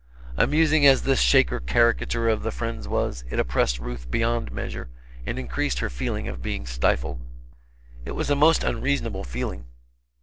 Amusing as this Shaker caricature of the Friends was, it oppressed Ruth beyond measure; and increased her feeling of being stifled. It was a most unreasonable feeling.